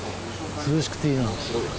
涼しくていいな。